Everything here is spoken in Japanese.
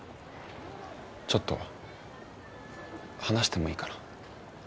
ちょっと話してもいいかな？